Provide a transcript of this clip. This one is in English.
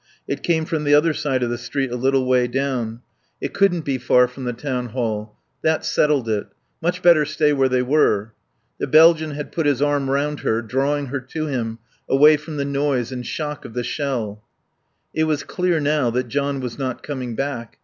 It came from the other side of the street a little way down. It couldn't be far from the Town Hall. That settled it. Much better stay where they were. The Belgian had put his arm round her, drawing her to him, away from the noise and shock of the shell. It was clear now that John was not coming back.